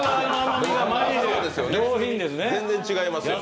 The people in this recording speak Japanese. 全然違いますよね。